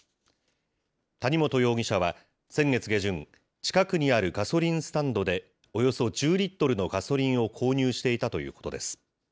谷本容疑者は先月下旬、近くにあるガソリンスタンドで、およそ１０リットルのガソリンを購入していたということです。